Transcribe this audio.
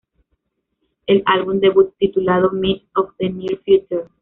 El álbum debut, titulado Myths of the Near Future.